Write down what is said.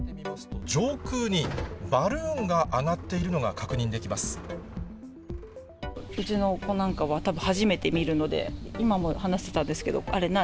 上空にバルーンが上がっていうちの子なんかは、たぶん初めて見るので、今も話してたんですけど、あれ何？